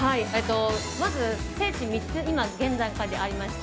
まず、聖地は３つ現段階でありまして。